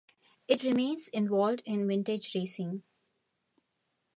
It remains involved in vintage racing.